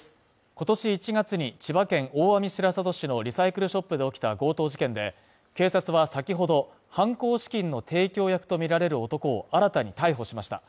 今年１月に千葉県大網白里市のリサイクルショップで起きた強盗事件で、警察は先ほど犯行資金の提供役とみられる男を新たに逮捕しました。